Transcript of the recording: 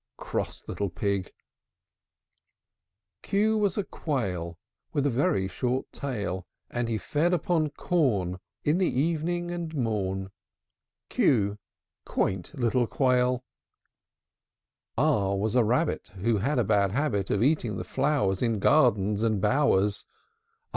p! Cross little pig! Q Q was a quail With a very short tail; And he fed upon corn In the evening and morn. q! Quaint little quail! R R was a rabbit, Who had a bad habit Of eating the flowers In gardens and bowers.